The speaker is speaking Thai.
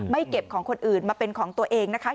เก็บของคนอื่นมาเป็นของตัวเองนะคะ